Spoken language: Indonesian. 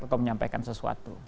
atau menyampaikan sesuatu